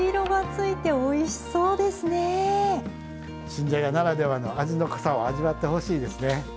新じゃがならではの味の濃さを味わってほしいですね。